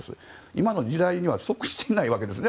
今の時代には即していないわけですね。